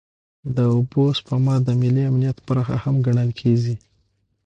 د اوبو سپما د ملي امنیت برخه هم ګڼل کېږي.